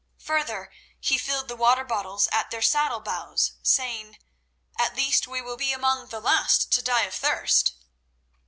Further, he filled the water bottles at their saddle bows, saying: "At least we will be among the last to die of thirst."